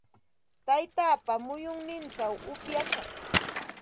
Taytaapa muyunninchaw upyashaq.